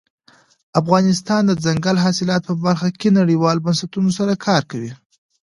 افغانستان د دځنګل حاصلات په برخه کې نړیوالو بنسټونو سره کار کوي.